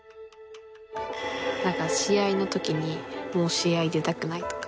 何か試合の時にもう試合出たくないとか。